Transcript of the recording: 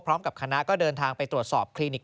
พร้อมกับคณะก็เดินทางไปตรวจสอบคลินิก